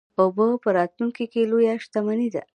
اوبه په راتلونکي کې لویه شتمني ده.